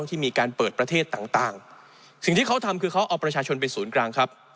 ที่มีการเปิดประเทศต่างสิ่งที่เขาทำคือเขาเอาประชาชนเป็นศูนย์กลางครับ